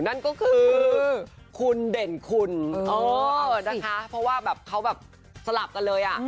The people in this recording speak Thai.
นั่นก็คือคุณเด่นคุณนะคะเพราะว่าแบบเขาแบบสลับกันเลยอ่ะ